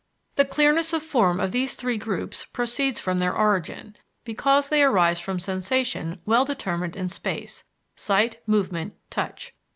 The clearness of form of these three groups proceeds from their origin, because they arise from sensation well determined in space sight, movement, touch.